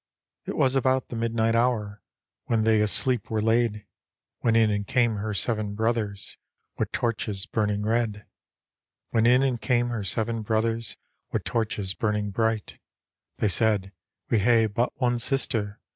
It was about the midnight hour, When they asleep were laid. When in and came her seven brothers, Wi' torches burning red: When in and came her seven brothers, Wi' torches burning bright: They said, " We hae but one sister.